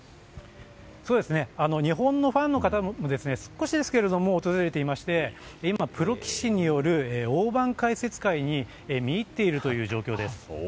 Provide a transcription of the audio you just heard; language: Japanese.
日本のファンの方も少しですけれど訪れていまして今、プロ棋士による大盤解説会に見入っているという状況です。